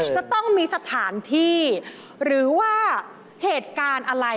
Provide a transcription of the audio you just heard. จะต้องมีสถานที่หรือว่าเหตุการณ์อะไร